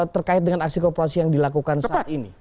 terkait dengan aksi kooperasi yang dilakukan saat ini